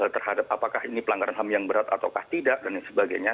terhadap apakah ini pelanggaran ham yang berat atau tidak dan sebagainya